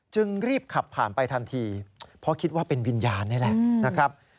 จึงรีบขับผ่านไปทันทีเพราะคิดว่าเป็นวิญญาณนี่แหละนะครับ